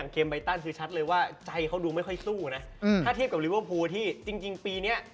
ผมว่ามันมีหลายปัจจัย